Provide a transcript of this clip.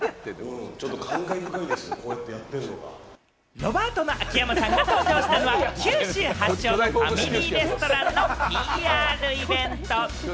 ロバートの秋山さんが登場したのは、九州発祥のファミリーレストランのＰＲイベント。